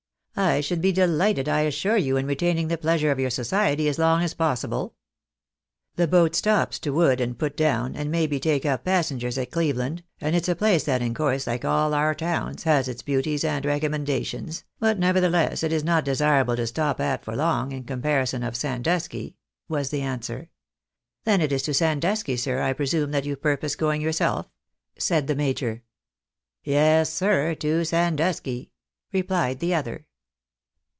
I should bedelighted, I assure you, in retaining the pleasure of your society as long as possible." " The boat stops to wood, and put down, and may be take up passengers at Cleveland, and it's a place that in course, hke all our towns, has its beauties and recommendations, but nevertheless it is not desirable to stop at for long, in comparison of Sandusky," was the answer. " Then it is to Sandusky, sir, I presume that you purpose going yourself?" said the major. " Yes, sir, to Sandusky," replied the other.